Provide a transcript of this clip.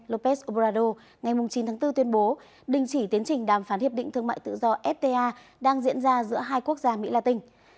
lópez obrador ngày chín tháng bốn tuyên bố đình chỉ tiến trình đàm phán hiệp định thương mại tự do fta đang diễn ra giữa hai quốc gia mỹ la tinh